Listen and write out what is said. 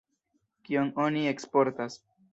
Kion oni eksportas?